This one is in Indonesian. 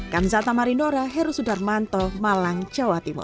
kamsah tamarinora heru sudarmanto malang jawa timur